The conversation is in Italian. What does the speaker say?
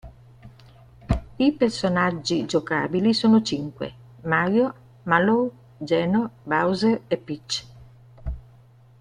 I personaggi giocabili sono cinque, Mario, Mallow, Geno, Bowser e Peach.